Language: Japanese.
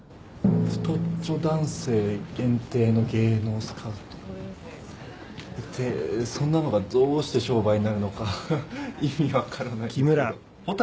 太っちょ男性限定の芸能スカウトってそんなのがどうして商売になるのか意味分からないんですけど。